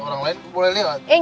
orang lain boleh lihat